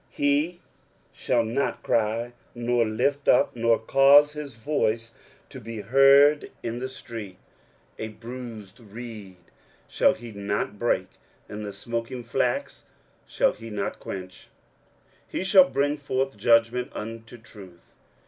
23:042:002 He shall not cry, nor lift up, nor cause his voice to be heard in the street. 23:042:003 A bruised reed shall he not break, and the smoking flax shall he not quench: he shall bring forth judgment unto truth.